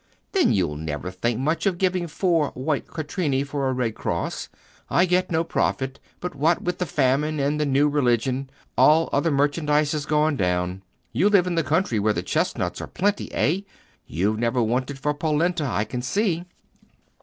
Then you'll never think much of giving four white quattrini for a red cross. I get no profit; but what with the famine and the new religion, all other merchandise is gone down. You live in the country where the chestnuts are plenty, eh? You've never wanted for polenta, I can see."